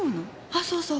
あそうそう！